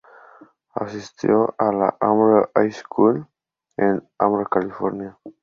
Asistió a la Alhambra High School en Alhambra, California.